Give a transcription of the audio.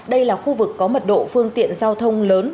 đây là khu vực có mật độ phương tiện giao thông lớn